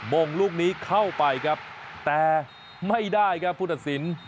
งงลูกนี้เข้าไปครับแต่ไม่ได้ครับผู้ตัดสิน